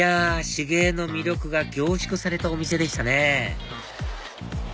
手芸の魅力が凝縮されたお店でしたね